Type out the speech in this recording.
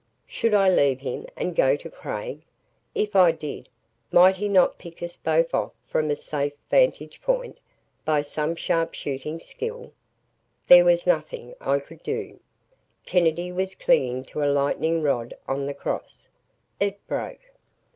Should I leave him and go to Craig? If I did, might he not pick us both off, from a safe vantage point, by some sharp shooting skill? There was nothing I could do. Kennedy was clinging to a lightning rod on the cross. It broke.